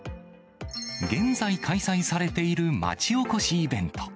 現在開催されている町おこしイベント。